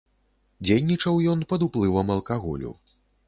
Дзейнічаў ён пад уплывам алкаголю.